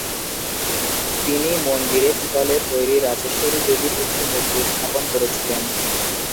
তিনি মন্দিরে পিতলের তৈরি রাজেশ্বরী দেবীর একটি মূর্তি স্থাপন করেছিলেন।